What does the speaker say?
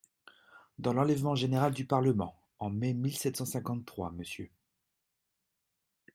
Dans l'enlèvement général du Parlement (en mai mille sept cent cinquante-trois), M.